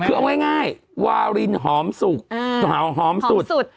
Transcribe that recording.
คือเอาง่ายวารินหอมสุกหอมสุด